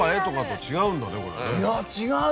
いや違う。